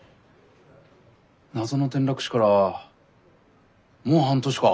謎の転落死からもう半年か？